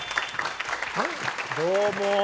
どうも。